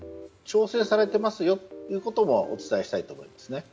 調整されていますということもお伝えしたいと思います。